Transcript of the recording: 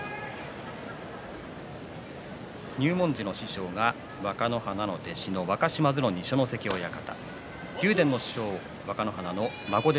入門時の師匠が若乃花の弟子の若嶋津の二所ノ関親方